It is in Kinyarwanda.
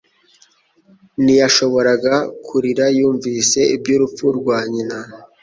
Ntiyashoboraga kurira yumvise iby'urupfu rwa nyina